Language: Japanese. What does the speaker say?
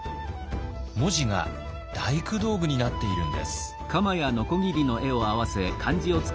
文字が大工道具になっているんです。